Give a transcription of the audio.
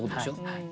はい。